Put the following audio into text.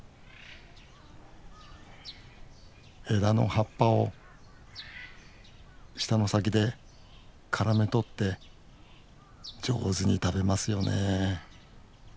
枝の葉っぱを舌の先で絡めとって上手に食べますよね。